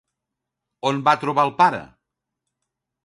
On van trobar al pare?